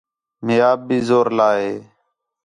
مَئے آپ بھی زور لا ہے